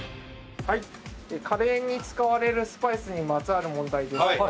はいカレーに使われるスパイスにまつわる問題です。